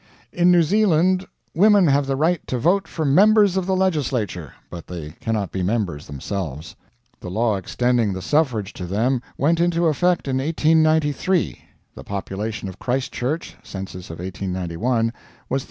In New Zealand women have the right to vote for members of the legislature, but they cannot be members themselves. The law extending the suffrage to them went into effect in 1893. The population of Christchurch (census of 1891) was 31,454.